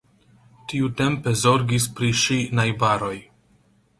Tiutempe zorgis pri ŝi najbaroj.